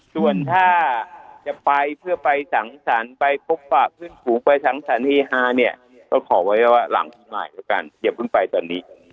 ส่วนถ้าจะไปเพื่อพบมาไปสังสรร๑๕คือก็ขอว่าล้ำทีใหม่กันอย่าเพิ่งไปตอนนี้